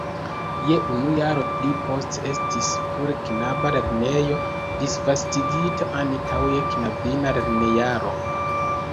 Je unu jaro pli poste estis pure knaba lernejo disvastigita ankaŭ je knabina lernojaro.